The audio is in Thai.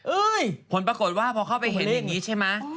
อุ๊ยผลปรากฏว่าพอเข้าไปเห็นแบบนี้ใช่ไหม